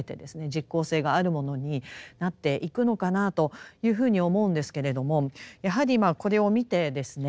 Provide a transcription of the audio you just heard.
実効性があるものになっていくのかなというふうに思うんですけれどもやはりこれを見てですね